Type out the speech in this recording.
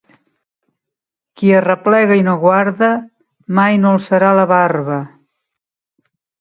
Qui arreplega i no guarda, mai no alçarà la barba.